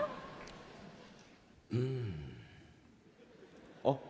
うん。あっ。